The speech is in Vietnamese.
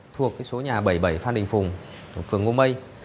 thuộc số nhà bảy mươi bảy phan đình phùng thuộc phường ngô mây